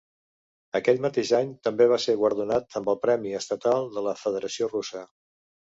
Aquell mateix any també va ser guardonat amb el Premi Estatal de la Federació Russa.